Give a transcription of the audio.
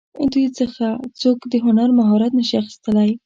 دوی څخه څوک د هنر مهارت نشي اخیستلی.